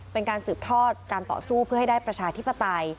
เป็นการสืบทอดการต่อสู้เพื่อให้ได้ประชาธิปไตย